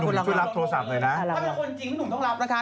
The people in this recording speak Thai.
ถ้าเป็นคนจริงหนุ่มต้องรับนะคะ